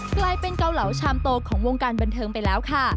เกาเหลาชามโตของวงการบันเทิงไปแล้วค่ะ